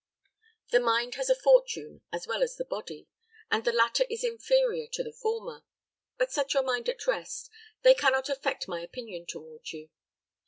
The mind has a fortune as well as the body, and the latter is inferior to the former. But set your mind at rest; they can not affect my opinion toward you.